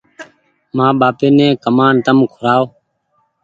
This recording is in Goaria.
مآن ٻآپي ني ڪمآن تم کورآئو۔